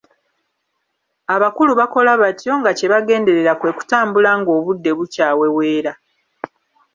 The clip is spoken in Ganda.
Abakulu bakola batyo nga kye bagenderera kwe kutambula ng'obudde bukyaweweera.